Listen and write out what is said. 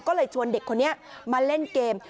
ก็เลยชวนเด็กคนนี้มาเล่นเกม